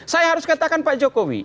saya harus katakan pak jokowi